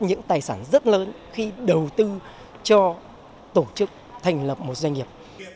những tài sản rất lớn khi đầu tư cho tổ chức thành lập một doanh nghiệp